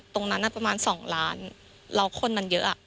ตรงนั้นประมาณ๒ล้านแล้วคนมันเยอะ